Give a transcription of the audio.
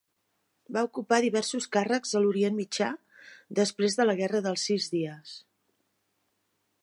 Va ocupar diversos càrrecs a l'Orient Mitjà després de la Guerra dels Sis Dies.